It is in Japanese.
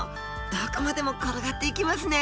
どこまでも転がっていきますね